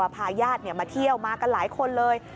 พาญาติมาเที่ยวมากันหลายคนเลย